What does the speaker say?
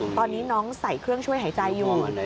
ตอนนี้น้องใส่เครื่องช่วยหายใจอยู่